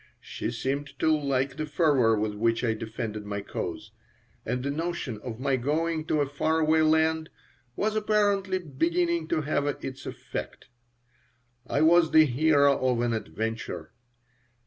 She seemed to like the fervor with which I defended my cause, and the notion of my going to a far away land was apparently beginning to have its effect. I was the hero of an adventure.